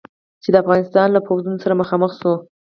چې د افغانستان له پوځونو سره مخامخ شو.